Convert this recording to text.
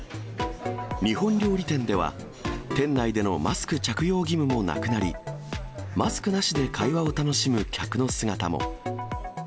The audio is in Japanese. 日本料理店では、店内でのマスク着用義務もなくなり、マスクなしで会話を楽しむ客の姿も。